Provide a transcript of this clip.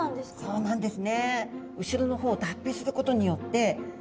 そうなんです。